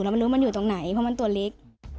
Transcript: ไม่รู้มันอยู่ตรงไหนเพราะมันตัวเล็ก